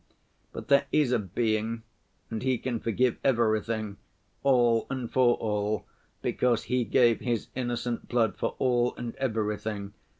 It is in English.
But there is a Being and He can forgive everything, all and for all, because He gave His innocent blood for all and everything.